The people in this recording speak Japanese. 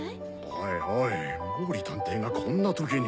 おいおい毛利探偵がこんな時に。